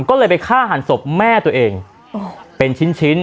ก็เลยไปฆ่าหันศพแม่ตัวเองเป็นชิ้นชิ้น